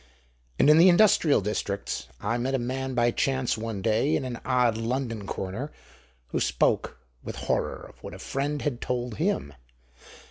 And in the industrial districts: I met a man by chance one day in an odd London corner who spoke with horror of what a friend had told him.